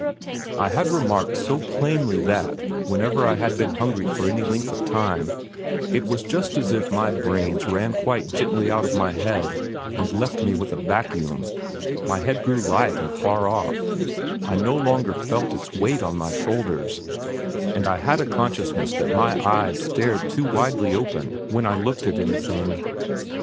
I had remarked so plainly that, whenever I had been hungry for any length of time, it was just as if my brains ran quite gently out of my head and left me with a vacuum my head grew light and far off, I no longer felt its weight on my shoulders, and I had a consciousness that my eyes stared far too widely open when I looked at anything.